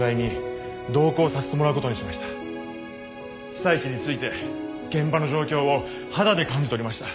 被災地に着いて現場の状況を肌で感じ取りました。